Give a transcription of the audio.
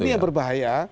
ini yang berbahaya